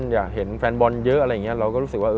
อยากเห็นแฟนบอลเยอะอะไรอย่างนี้เราก็รู้สึกว่า